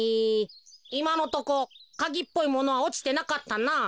いまのとこカギっぽいものはおちてなかったなあ。